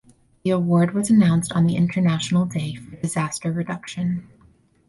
The award was announced on the International Day for Disaster Reduction.